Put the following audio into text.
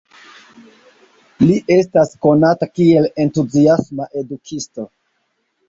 Li estas konata kiel entuziasma edukisto.